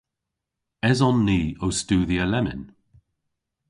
Eson ni ow studhya lemmyn?